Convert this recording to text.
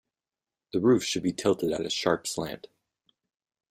The roof should be tilted at a sharp slant.